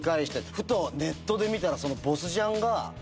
ふとネットで見たら。